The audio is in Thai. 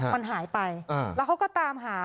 มันหายไปแล้วเขาก็ตามหา